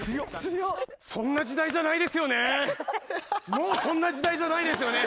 もうそんな時代じゃないですよね。